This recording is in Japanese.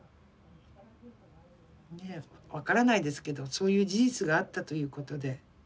分からないですけどそういう事実があったということで。